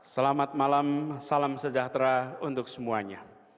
selamat malam salam sejahtera untuk semuanya